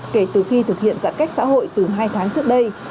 kể từ khi thực hiện giãn cách xã hội từ hai tháng trước đây